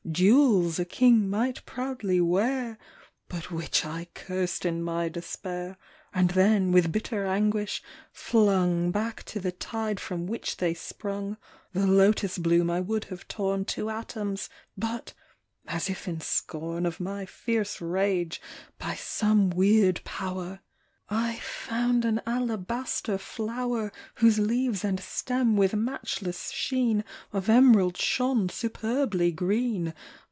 Jewels a king might proudly wear. But which I cursed in my despair. And then, with bitter anguish, flung Back to the tide from which they sprung ; The lotus bloom I would have torn To atoms, but (as if in scorn Of my fierce rage, by some weird power) I found an alabaster flower, Whose leaves and stem with matchless sheen Of emerald shone superbly green.